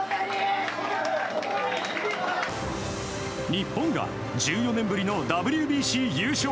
日本が１４年ぶりのＷＢＣ優勝。